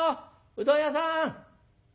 うどん屋さん！」。